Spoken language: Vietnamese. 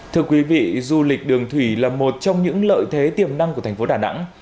thưa quý vị du lịch đường thủy là một trong những lợi thế tiềm năng của thành phố đà nẵng